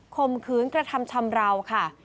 มขืนกระทำชำราวค่ะ